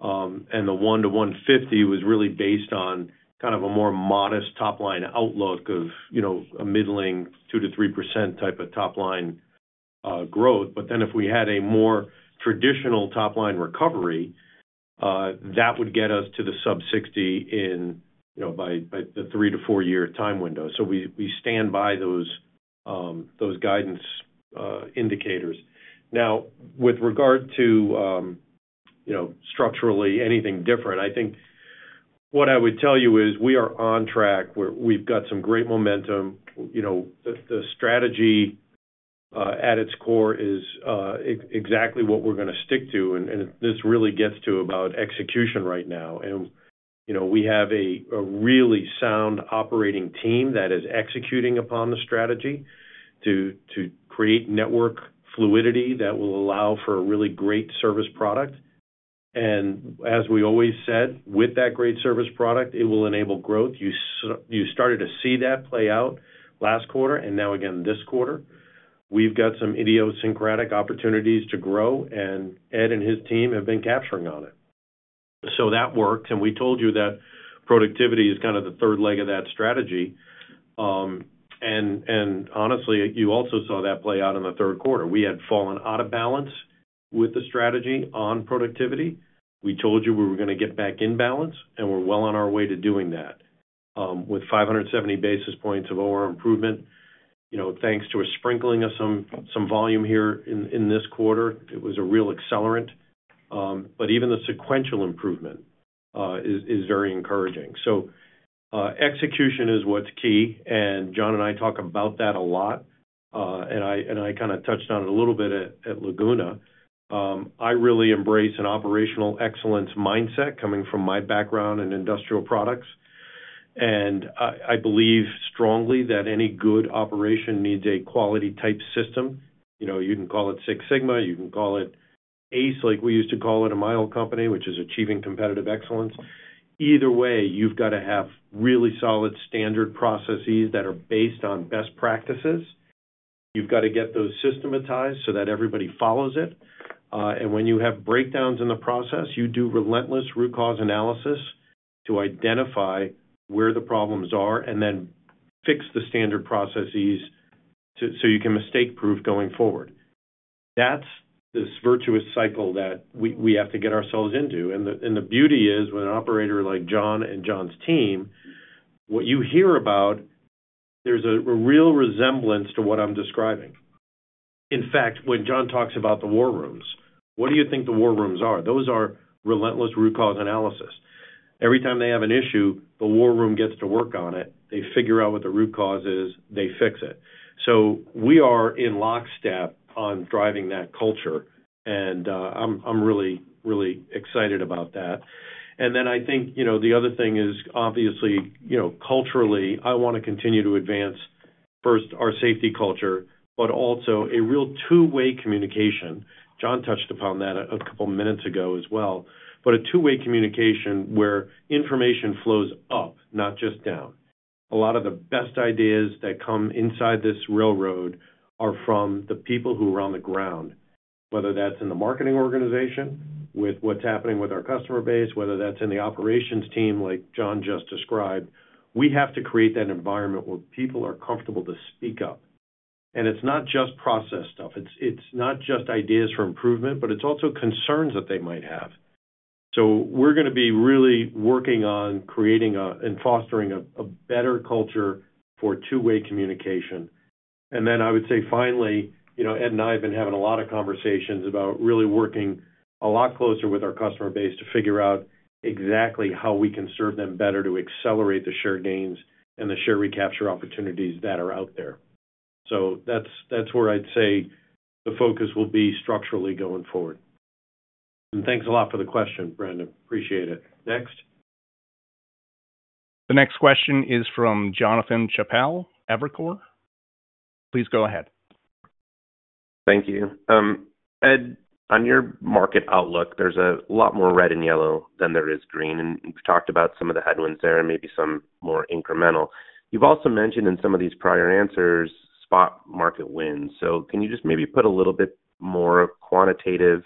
and the 100 to 150 was really based on kind of a more modest top-line outlook of, you know, a middling 2 to 3% type of top-line growth. But then, if we had a more traditional top-line recovery, that would get us to the sub-60 in, you know, by the 3 to 4-year time window. So we stand by those guidance indicators. Now, with regard to, you know, structurally anything different, I think what I would tell you is we are on track, where we've got some great momentum. You know, the strategy at its core is exactly what we're gonna stick to, and this really gets to about execution right now. You know, we have a really sound operating team that is executing upon the strategy to create network fluidity that will allow for a really great service product. And as we always said, with that great service product, it will enable growth. You started to see that play out last quarter and now again this quarter. We've got some idiosyncratic opportunities to grow, and Ed and his team have been capitalizing on it. So that worked, and we told you that productivity is kind of the third leg of that strategy. And honestly, you also saw that play out in the third quarter. We had fallen out of balance with the strategy on productivity. We told you we were gonna get back in balance, and we're well on our way to doing that. With 570 basis points of OR improvement, you know, thanks to a sprinkling of some volume here in this quarter, it was a real accelerant. But even the sequential improvement is very encouraging. So, execution is what's key, and John and I talk about that a lot, and I kind of touched on it a little bit at Laguna. I really embrace an operational excellence mindset coming from my background in industrial products, and I believe strongly that any good operation needs a quality type system. You know, you can call it Six Sigma, you can call it ACE, like we used to call it in my old company, which is Achieving Competitive Excellence. Either way, you've got to have really solid standard processes that are based on best practices. You've got to get those systematized so that everybody follows it, and when you have breakdowns in the process, you do relentless root cause analysis to identify where the problems are and then fix the standard processes to, so you can mistake-proof going forward. That's this virtuous cycle that we have to get ourselves into, and the beauty is, with an operator like John and John's team, what you hear about, there's a real resemblance to what I'm describing. In fact, when John talks about the war rooms, what do you think the war rooms are? Those are relentless root cause analysis. Every time they have an issue, the war room gets to work on it, they figure out what the root cause is, they fix it. So we are in lockstep on driving that culture, and I'm really, really excited about that. And then I think, you know, the other thing is, obviously, you know, culturally, I want to continue to advance, first, our safety culture, but also a real two-way communication. John touched upon that a couple of minutes ago as well, but a two-way communication where information flows up, not just down. A lot of the best ideas that come inside this railroad are from the people who are on the ground, whether that's in the marketing organization, with what's happening with our customer base, whether that's in the operations team, like John just described. We have to create that environment where people are comfortable to speak up. And it's not just process stuff, it's not just ideas for improvement, but it's also concerns that they might have. So we're gonna be really working on creating and fostering a better culture for two-way communication. And then I would say, finally, you know, Ed and I have been having a lot of conversations about really working a lot closer with our customer base to figure out exactly how we can serve them better to accelerate the share gains and the share recapture opportunities that are out there. So that's, that's where I'd say the focus will be structurally going forward. And thanks a lot for the question, Brandon. Appreciate it. Next? The next question is from Jonathan Chappell, Evercore. Please go ahead. Thank you. Ed, on your market outlook, there's a lot more red and yellow than there is green, and you've talked about some of the headwinds there and maybe some more incremental. You've also mentioned in some of these prior answers, spot market wins. So can you just maybe put a little bit more quantitative,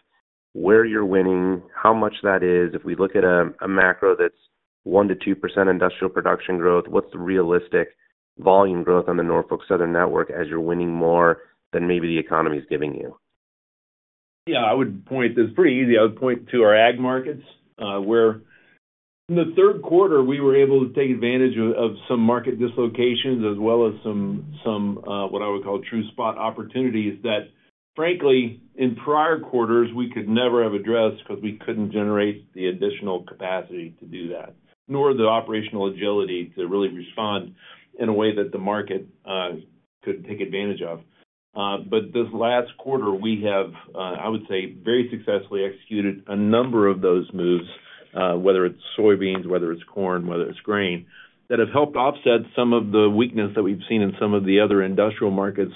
where you're winning, how much that is? If we look at a macro that's 1 to 2% industrial production growth, what's the realistic volume growth on the Norfolk Southern network as you're winning more than maybe the economy is giving you? It's pretty easy. I would point to our ag markets, where in the third quarter, we were able to take advantage of some market dislocations as well as some what I would call true spot opportunities that frankly, in prior quarters, we could never have addressed because we couldn't generate the additional capacity to do that, nor the operational agility to really respond in a way that the market could take advantage of. But this last quarter, we have, I would say, very successfully executed a number of those moves, whether it's soybeans, whether it's corn, whether it's grain, that have helped offset some of the weakness that we've seen in some of the other industrial markets,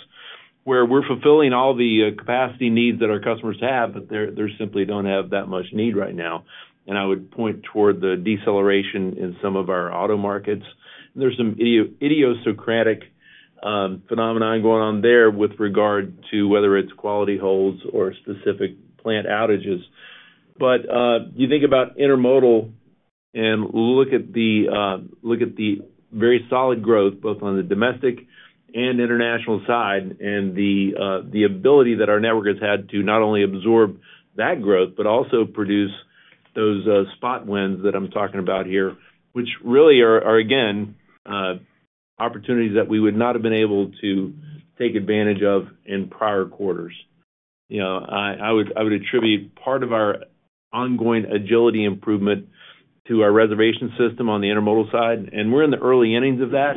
where we're fulfilling all the capacity needs that our customers have, but they simply don't have that much need right now. And I would point toward the deceleration in some of our auto markets. There's some idiosyncratic phenomenon going on there with regard to whether it's quality holds or specific plant outages. But you think about intermodal and look at the very solid growth, both on the domestic and international side, and the ability that our network has had to not only absorb that growth, but also produce those spot wins that I'm talking about here, which really are, again, opportunities that we would not have been able to take advantage of in prior quarters. You know, I would attribute part of our ongoing agility improvement to our reservation system on the intermodal side, and we're in the early innings of that,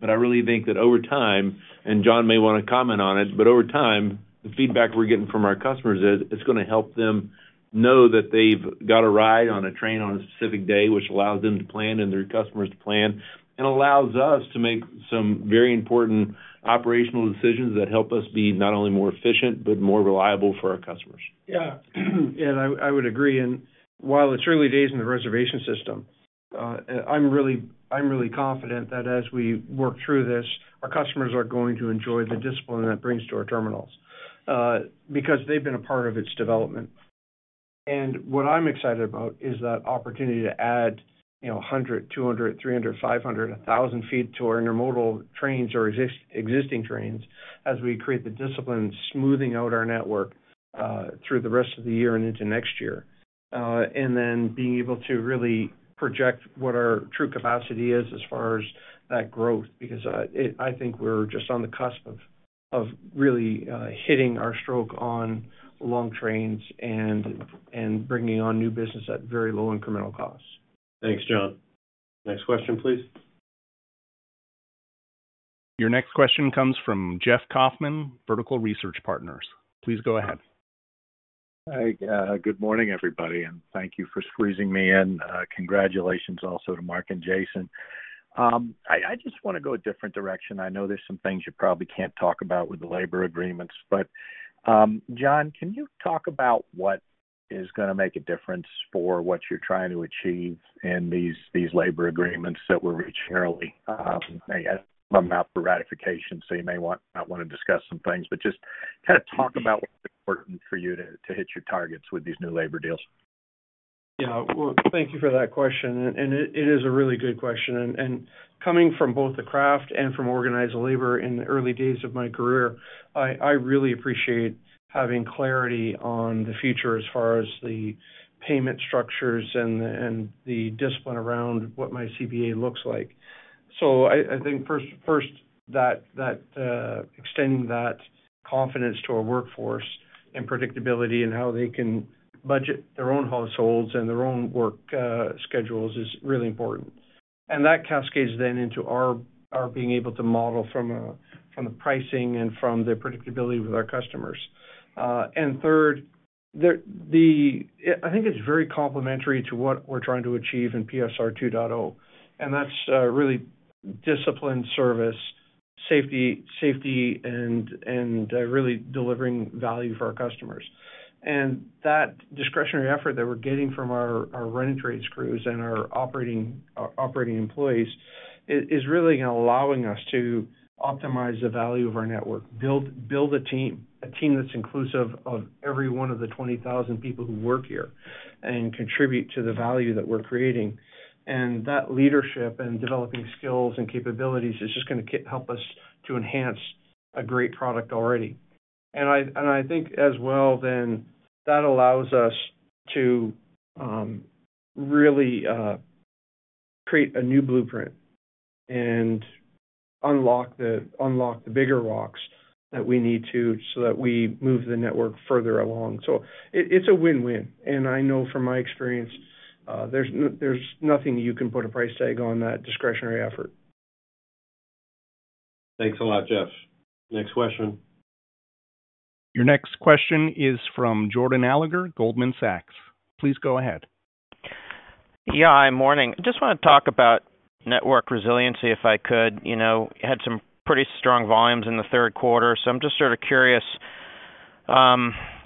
but I really think that over time, and John may want to comment on it, but over time, the feedback we're getting from our customers is, it's gonna help them know that they've got a ride on a train on a specific day, which allows them to plan and their customers to plan, and allows us to make some very important operational decisions that help us be not only more efficient, but more reliable for our customers. Yeah. I would agree, and while it's early days in the reservation system, I'm really, I'm really confident that as we work through this, our customers are going to enjoy the discipline that brings to our terminals, because they've been a part of its development. And what I'm excited about is that opportunity to add, you know, a 100, 200, 300, 500, 1000 feet to our intermodal trains or existing trains as we create the discipline, smoothing out our network, through the rest of the year and into next year. And then being able to really project what our true capacity is as far as that growth, because it. I think we're just on the cusp of that of really hitting our stroke on long trains and bringing on new business at very low incremental costs. Thanks, John. Next question, please. Your next question comes from Jeff Kauffman, Vertical Research Partners. Please go ahead. Hi, good morning, everybody, and thank you for squeezing me in. Congratulations also to Mark and Jason. I just want to go a different direction. I know there's some things you probably can't talk about with the labor agreements, but, John, can you talk about what is gonna make a difference for what you're trying to achieve in these labor agreements that were reached annually? I guess they're out for ratification, so you may want not to discuss some things, but just kind of talk about what's important for you to hit your targets with these new labor deals. Yeah, well, thank you for that question, and it is a really good question. Coming from both the craft and from organized labor in the early days of my career, I really appreciate having clarity on the future as far as the payment structures and the discipline around what my CBA looks like. So I think first, extending that confidence to our workforce and predictability in how they can budget their own households and their own work schedules is really important. And that cascades then into our being able to model from the pricing and from the predictability with our customers. And third, the—I think it's very complementary to what we're trying to achieve in PSR 2.0, and that's really disciplined service, safety and really delivering value for our customers. And that discretionary effort that we're getting from our T&E and trades crews and our operating employees is really allowing us to optimize the value of our network, build a team that's inclusive of every one of the 20,000 people who work here and contribute to the value that we're creating. And that leadership and developing skills and capabilities is just gonna help us to enhance a great product already. And I think as well, then, that allows us to really create a new blueprint and unlock the bigger rocks that we need to, so that we move the network further along. It is a win-win, and I know from my experience, there is nothing you can put a price tag on that discretionary effort. Thanks a lot, Jeff. Next question. Your next question is from Jordan Alliger, Goldman Sachs. Please go ahead. Yeah, morning. I just want to talk about network resiliency, if I could. You know, you had some pretty strong volumes in the third quarter, so I'm just sort of curious, you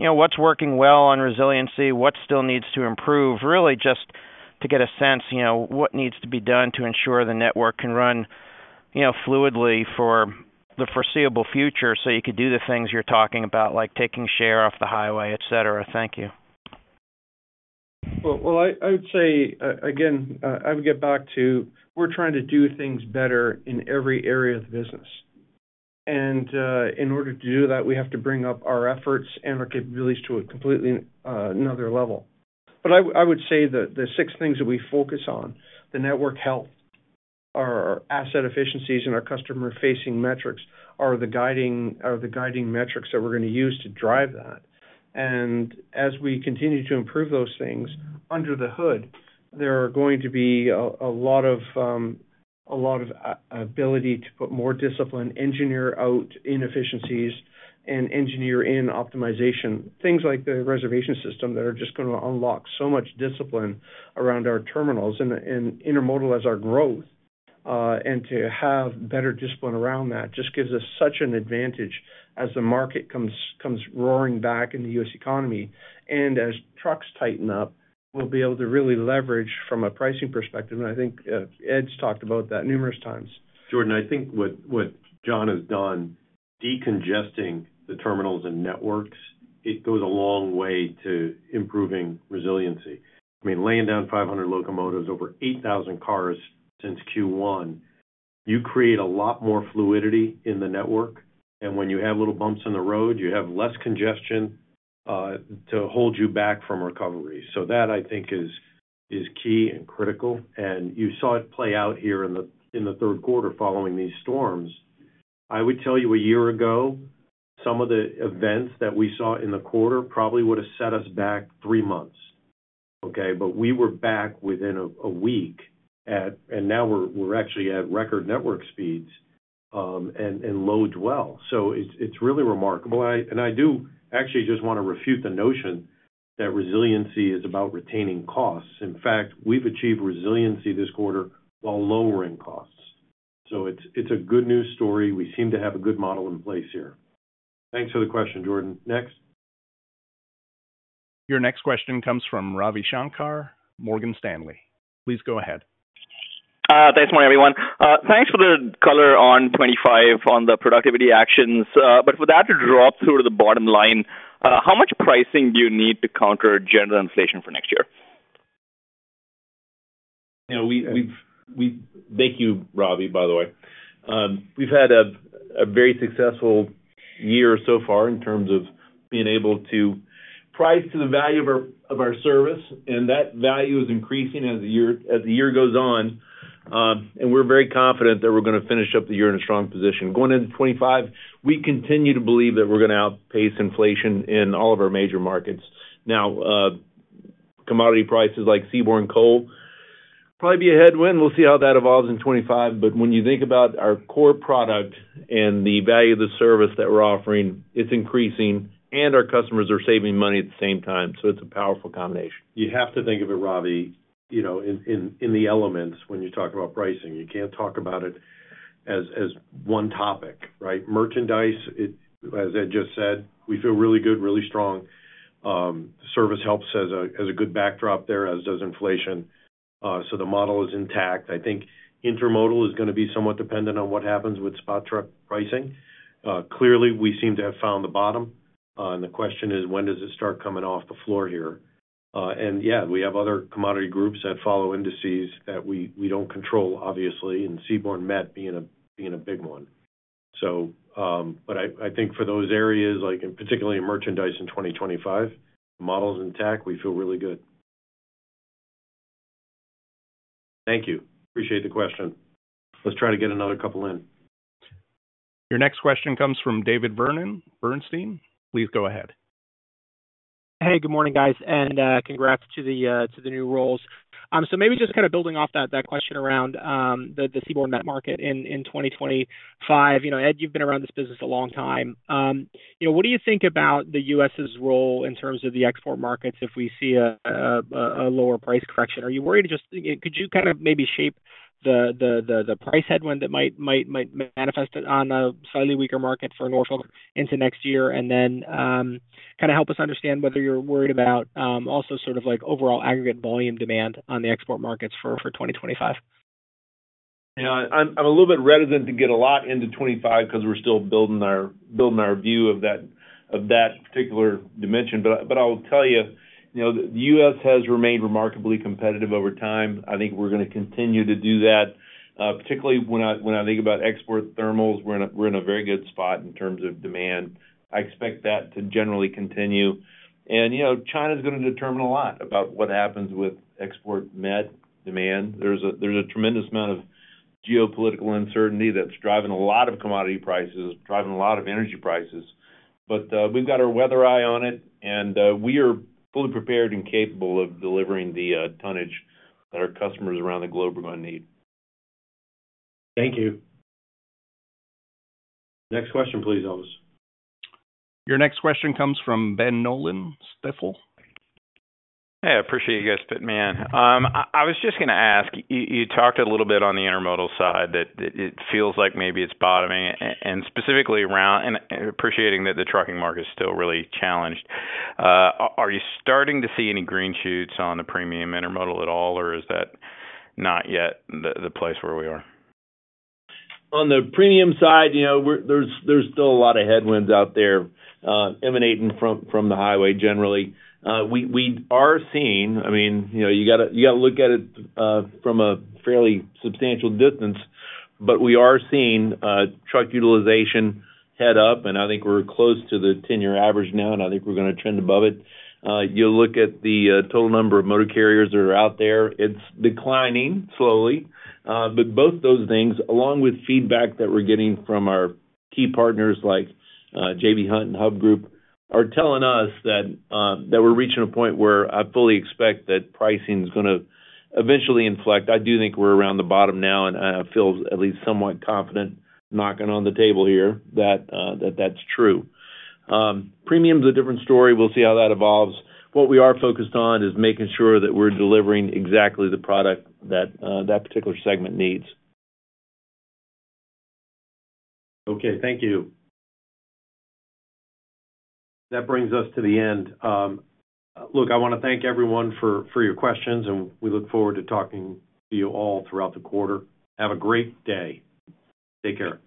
know, what's working well on resiliency? What still needs to improve? Really, just to get a sense, you know, what needs to be done to ensure the network can run, you know, fluidly for the foreseeable future, so you could do the things you're talking about, like taking share off the highway, et cetera. Thank you. I would say again, I would get back to, we're trying to do things better in every area of the business. In order to do that, we have to bring up our efforts and our capabilities to a completely another level. But I would say that the six things that we focus on, the network health, our asset efficiencies, and our customer-facing metrics, are the guiding metrics that we're going to use to drive that. As we continue to improve those things under the hood, there are going to be a lot of ability to put more discipline, engineer out inefficiencies and engineer in optimization. Things like the reservation system that are just gonna unlock so much discipline around our terminals and intermodal as our growth, and to have better discipline around that just gives us such an advantage as the market comes roaring back in the U.S. economy. And as trucks tighten up, we'll be able to really leverage from a pricing perspective, and I think, Ed's talked about that numerous times. Jordan, I think what John has done, decongesting the terminals and networks, it goes a long way to improving resiliency. I mean, laying down 500 locomotives over 8,000 cars since Q1, you create a lot more fluidity in the network. And when you have little bumps in the road, you have less congestion to hold you back from recovery. So that, I think, is key and critical, and you saw it play out here in the third quarter following these storms. I would tell you a year ago, some of the events that we saw in the quarter probably would have set us back three months, okay? But we were back within a week, and now we're actually at record network speeds and loads well. So it's really remarkable. And I do actually just want to refute the notion that resiliency is about retaining costs. In fact, we've achieved resiliency this quarter while lowering costs. So it's a good news story. We seem to have a good model in place here. Thanks for the question, Jordan. Next? Your next question comes from Ravi Shanker, Morgan Stanley. Please go ahead. Thanks, morning, everyone. Thanks for the color on '25 on the productivity actions, but with that drop through to the bottom line, how much pricing do you need to counter general inflation for next year? You know, thank you, Ravi, by the way. We've had a very successful year so far in terms of being able to price to the value of our service, and that value is increasing as the year goes on. And we're very confident that we're gonna finish up the year in a strong position. Going into 2025, we continue to believe that we're gonna outpace inflation in all of our major markets. Now, commodity prices like seaborne coal probably be a headwind. We'll see how that evolves in 2025, but when you think about our core product and the value of the service that we're offering, it's increasing, and our customers are saving money at the same time, so it's a powerful combination. You have to think of it, Ravi, you know, in the elements when you talk about pricing. You can't talk about it as one topic, right? Merchandise, it as Ed just said, we feel really good, really strong. Service helps as a good backdrop there, as does inflation, so the model is intact. I think intermodal is gonna be somewhat dependent on what happens with spot truck pricing. Clearly, we seem to have found the bottom, and the question is: When does it start coming off the floor here? Yeah, we have other commodity groups that follow indices that we don't control, obviously, and seaborne met being a big one. But I think for those areas, like in particularly in merchandise in 2025, the model's intact. We feel really good. Thank you. Appreciate the question. Let's try to get another couple in. Your next question comes from David Vernon, Bernstein. Please go ahead. Hey, good morning, guys, and congrats to the new roles. So maybe just kind of building off that question around the seaborne met market in 2025. You know, Ed, you've been around this business a long time. You know, what do you think about the U.S.'s role in terms of the export markets if we see a lower price correction? Are you worried? Just, could you kind of maybe shape the price headwind that might manifest on a slightly weaker market for Norfolk into next year? And then, kind of help us understand whether you're worried about also sort of like overall aggregate volume demand on the export markets for 2025. Yeah. I'm a little bit reticent to get a lot into 2025 because we're still building our view of that particular dimension. But I'll tell you, you know, the U.S. has remained remarkably competitive over time. I think we're gonna continue to do that, particularly when I think about export thermals, we're in a very good spot in terms of demand. I expect that to generally continue, and, you know, China's gonna determine a lot about what happens with export met demand. There's a tremendous amount of geopolitical uncertainty that's driving a lot of commodity prices, driving a lot of energy prices. But we've got our weather eye on it, and we are fully prepared and capable of delivering the tonnage that our customers around the globe are gonna need. Thank you. Next question, please, Elvis. Your next question comes from Ben Nolan, Stifel. Hey, I appreciate you guys putting me on. I was just gonna ask. You talked a little bit on the intermodal side, that it feels like maybe it's bottoming and specifically around. And appreciating that the trucking market is still really challenged, are you starting to see any green shoots on the premium intermodal at all, or is that not yet the place where we are? On the premium side, you know, there's still a lot of headwinds out there, emanating from the highway generally. We are seeing. I mean, you know, you gotta look at it from a fairly substantial distance, but we are seeing truck utilization head up, and I think we're close to the 10-year average now, and I think we're gonna trend above it. You look at the total number of motor carriers that are out there, it's declining slowly, but both those things, along with feedback that we're getting from our key partners, like J.B. Hunt and Hub Group, are telling us that we're reaching a point where I fully expect that pricing is gonna eventually inflect. I do think we're around the bottom now, and I feel at least somewhat confident, knocking on the table here, that that's true. Premium's a different story. We'll see how that evolves. What we are focused on is making sure that we're delivering exactly the product that that particular segment needs. Okay. Thank you. That brings us to the end. Look, I wanna thank everyone for your questions, and we look forward to talking to you all throughout the quarter. Have a great day. Take care.